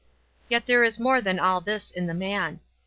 Yet there is more than all this in the man.